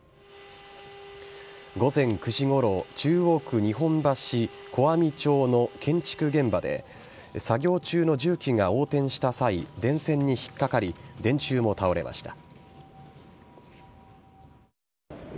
午前９時ごろ中央区日本橋小網町の建築現場で作業中の重機が横転した際電線に引っかかり電柱も倒れました。